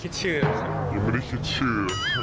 ยังไม่ได้คิดชื่อ